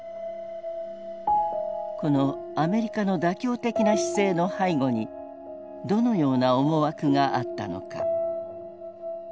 このアメリカの妥協的な姿勢の背後にどのような思惑があったのか。